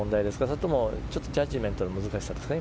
それともジャッジメントの難しさですか？